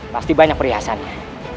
pasti banyak perhiasannya